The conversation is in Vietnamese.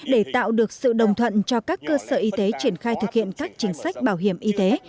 để tạo được sự đồng thuận cho các cơ sở y tế triển khai thực hiện các chính sách bảo hiểm y tế